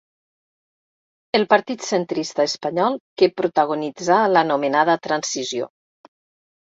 El partit centrista espanyol que protagonitzà l'anomenada transició.